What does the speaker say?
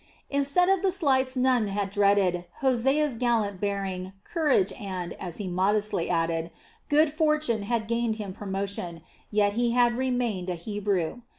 Instead of the slights Nun had dreaded, Hosea's gallant bearing, courage and, as he modestly added, good fortune had gained him promotion, yet he had remained a Hebrew.